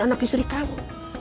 anak istri kamu